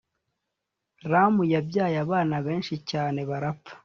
Ramu yabyaye abana benshi cyane barapfa